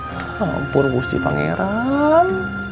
ya ampun gusti pangeran